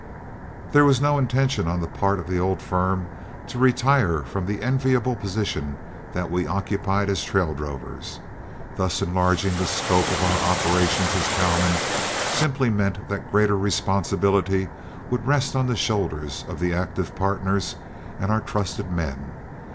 There was no intention on the part of the old firm to retire from the enviable position that we occupied as trail drovers. Thus enlarging the scope of our operations as cowmen simply meant that greater responsibility would rest on the shoulders of the active partners and our trusted men.